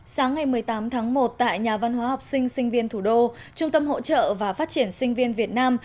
sáng ngày một mươi tám tháng một tại nhà văn hóa học sinh sinh viên thủ đô trung tâm hỗ trợ và phát triển sinh viên việt nam